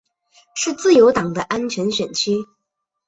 是自由党的安全选区。